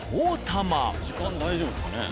時間大丈夫ですかね？